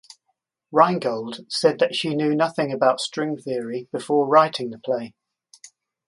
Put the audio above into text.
Reingold said that she knew nothing about string theory before writing the play.